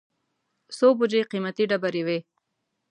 څو بوجۍ قېمتي ډبرې وې.